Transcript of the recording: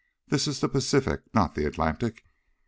This is the Pacific, not the Atlantic!"